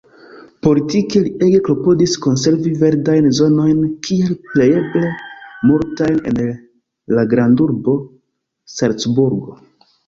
Politike li ege klopodis konservi verdajn zonojn kiel plejeble multajn en la grandurbo Salcburgo.